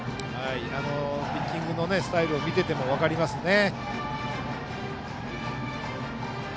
ピッチングのスタイルを見ていても分かりますね。